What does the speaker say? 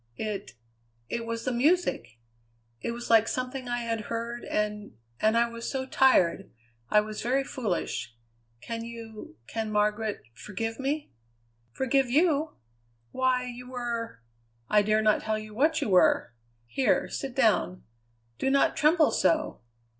"It it was the music! It was like something I had heard, and and I was so tired. I was very foolish. Can you, can Margaret, forgive me?" "Forgive you? Why, you were I dare not tell you what you were! Here, sit down. Do not tremble so!